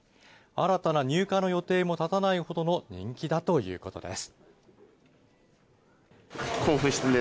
新たな入荷の予定も立たないほどの人気だということです。